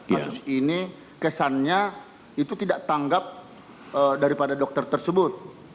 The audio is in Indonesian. kasus ini kesannya itu tidak tanggap daripada dokter tersebut